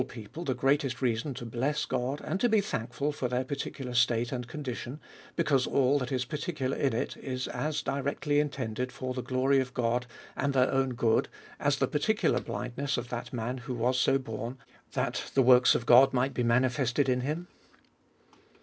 people the g reatest reason to bless God, and to be thankful for their particular state and condition, because all that is particular in it is as directly intend ed for the glory of God, and their own good^ as the particular blindness of that man, who was so born, that the works of God might be manifested in him?